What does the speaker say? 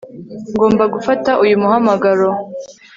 Ngomba gufata uyu muhamagaro